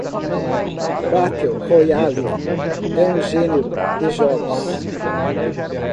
Battle Royale é um gênero de jogos.